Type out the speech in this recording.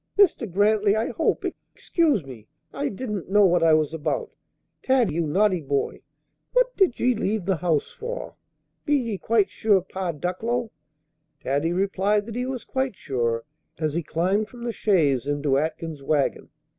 Mr. Grantly, I hope excuse me I didn't know what I was about! Taddy, you notty boy, what did you leave the house for? Be ye quite sure yer Pa Ducklow " Taddy replied that he was quite sure, as he climbed from the chaise into Atkins's wagon.